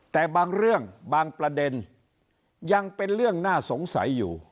แต่บางเรื่องบางประเด็นยังเป็นเรื่องน่าสงสัยอยู่